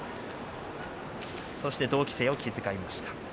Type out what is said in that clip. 同期生を気遣いました。